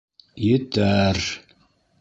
Етә-ә-әр!